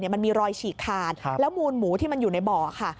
มันมีรอยฉีกขาดแล้วมูลหมูที่มันอยู่ในบ่อค่ะ